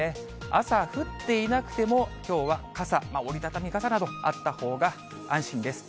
朝降っていなくても、きょうは傘、折り畳み傘などあったほうが安心です。